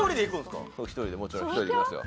もちろん１人で行きますよ。